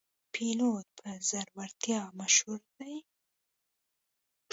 پیلوټ په زړورتیا مشهور دی.